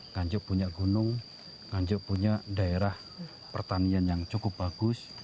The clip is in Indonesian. nganjuk punya gunung nganjuk punya daerah pertanian yang cukup bagus